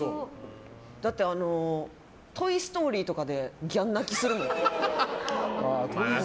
だって「トイ・ストーリー」とかでギャン泣きするの。